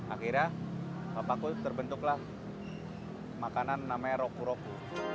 akhirnya papaku terbentuklah makanan namanya roku roku